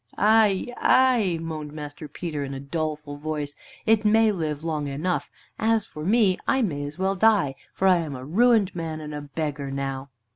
"Ay, ay," moaned Master Peter in a doleful voice, "it may live long enough. As for me, I may as well die, for I am a ruined man and a beggar now."